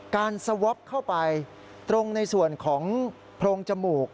สวอปเข้าไปตรงในส่วนของโพรงจมูก